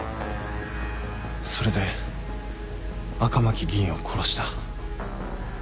それで赤巻議員を殺した。